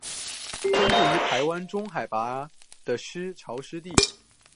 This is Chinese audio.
分布于台湾中高海拔的潮湿地。